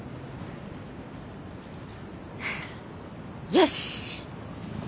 よし！